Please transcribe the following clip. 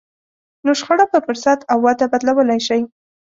نو شخړه په فرصت او وده بدلولای شئ.